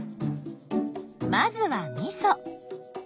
まずはみそ。